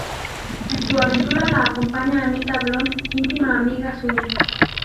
En su aventura le acompaña Anita Blond, intima amiga suya.